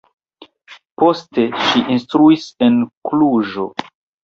Poste ŝi instruis en Kluĵo.